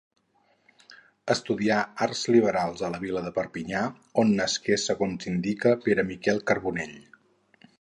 Estudià arts liberals a la vila de Perpinyà, on nasqué segons indica Pere Miquel Carbonell.